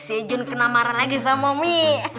si jun kena marah lagi sama momi